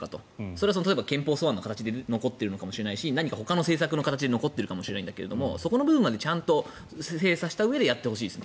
それは憲法草案の形で残ってるのかもしれないし何かほかの政策の形で残っているかもしれないけどそこの部分まで精査したうえでやってほしいです。